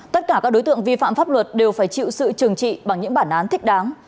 tất cả các đối tượng vi phạm pháp luật đều phải chịu sự trừng trị bằng những bản án thích đáng